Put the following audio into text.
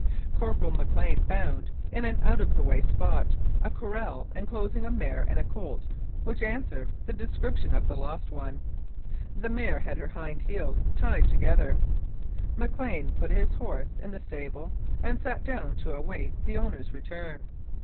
Corporal McLean found, in an out of the way spot, a corral enclosing a mare and a colt which answered the description of the lost one. The mare had her hind heels tied together. McLean put his horse in the stable and sat down to await the owner's return.